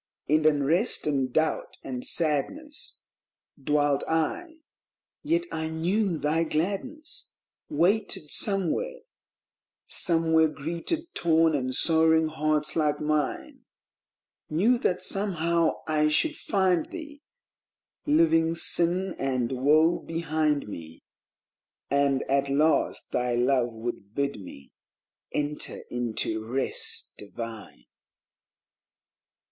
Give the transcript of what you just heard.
In unrest and doubt and sadness Dwelt I, yet I knew thy Gladness Waited somewhere ; somewhere greeted torn and sorrowing hearts like mine ; Knew that somehow I should find thee, Leaving sin and woe behind me, And at last thy Love would bid me enter into Rest divine.